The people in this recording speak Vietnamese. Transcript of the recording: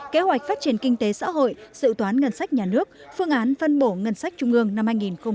kế hoạch phát triển kinh tế xã hội sự toán ngân sách nhà nước phương án phân bổ ngân sách trung ương năm hai nghìn hai mươi